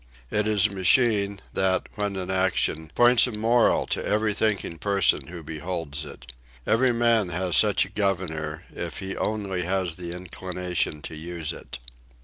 It is a machine that, when in action, points a moral to every thinking person who beholds it. Every man has such a governor if he only has the inclination to use it.